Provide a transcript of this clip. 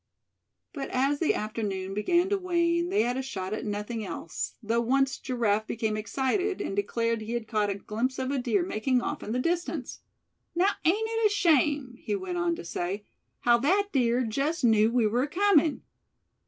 But as the afternoon began to wane they had a shot at nothing else, though once Giraffe became excited, and declared he had caught a glimpse of a deer making off in the distance. "Now, ain't it a shame," he went on to say, "how that deer just knew we were coming?